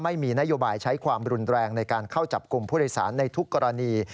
ไม่มีนโยบายใช้ความรุนแรงในการเข้าจับกลุ่มผู้โดยสารในทุกกรณี